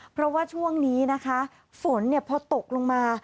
เพราะว่าช่วงนี้นะคะฝนพอตกลงมา